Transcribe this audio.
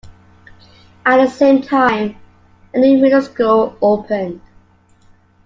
At the same time, a new middle school opened.